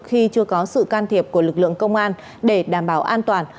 khi chưa có sự can thiệp của lực lượng công an để đảm bảo an toàn